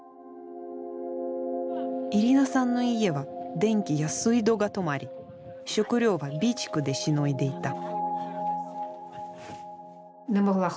イリーナさんの家は電気や水道が止まり食料は備蓄でしのいでいた。